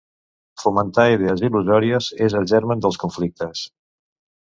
Fomentar idees il·lusòries és el germen dels conflictes.